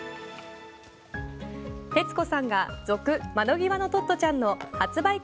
徹子さんが「続窓ぎわのトットちゃん」の発売